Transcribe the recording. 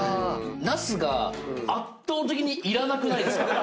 なすが圧倒的にいらなくないですか？